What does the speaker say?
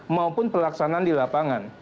maupun pelaksanaan di lapangan